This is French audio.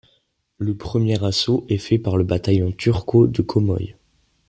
Le premier assaut est fait par le bataillon Turco de Comoy.